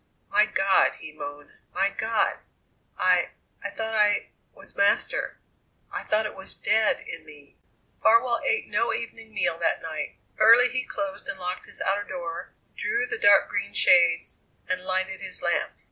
"My God!" he moaned; "my God! I I thought I was master. I thought it was dead in me." Farwell ate no evening meal that night. Early he closed and locked his outer door, drew the dark green shades, and lighted his lamp.